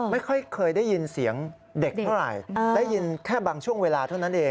ไม่ค่อยเคยได้ยินเสียงเด็กเท่าไหร่ได้ยินแค่บางช่วงเวลาเท่านั้นเอง